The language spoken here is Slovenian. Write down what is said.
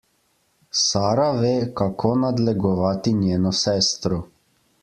Sara ve, kako nadlegovati njeno sestro.